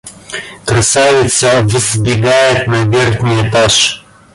Красавица взбегает на верхний этаж.